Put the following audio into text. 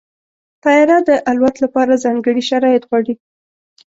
طیاره د الوت لپاره ځانګړي شرایط غواړي.